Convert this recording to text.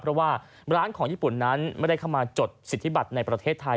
เพราะว่าร้านของญี่ปุ่นนั้นไม่ได้เข้ามาจดสิทธิบัตรในประเทศไทย